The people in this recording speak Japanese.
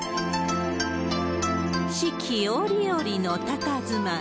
四季折々のたたずまい。